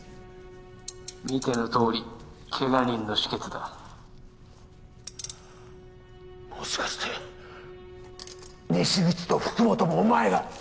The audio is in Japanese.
見てのとおりけが人の止血だもしかして西口と福本もお前が！？